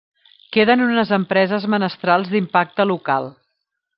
Queden unes empreses menestrals d'impacte local.